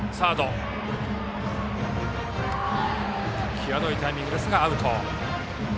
際どいタイミングですがアウト。